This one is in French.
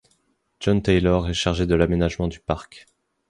John Taylor est chargé de l'aménagement du parc.